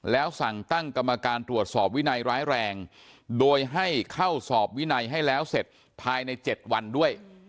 แล้วสั่งตั้งกรรมการตรวจสอบวินัยร้ายแรงโดยให้เข้าสอบวินัยให้แล้วเสร็จภายใน๗วันด้วย